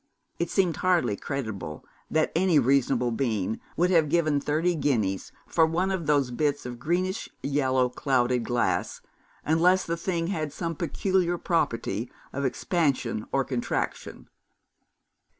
It seemed hardly credible that any reasonable being could have given thirty guineas for one of those bits of greenish yellow clouded glass, unless the thing had some peculiar property of expansion or contraction.